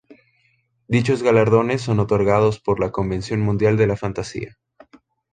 Dichos galardones son otorgados por la Convención Mundial de la Fantasía.